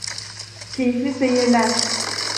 Keyifli seyirler…